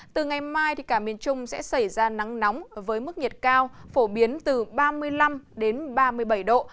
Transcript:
từ ngày mai cả miền trung sẽ xảy ra nắng nóng với mức nhiệt cao phổ biến từ ba mươi năm đến ba mươi bảy độ